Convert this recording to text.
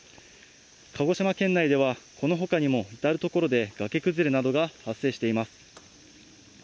鹿児島県内ではこのほかにも、至る所で崖崩れなどが発生しています。